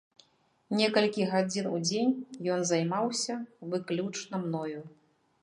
Некалькі гадзін у дзень ён займаўся выключна мною.